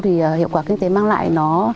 thì hiệu quả kinh tế mang lại nó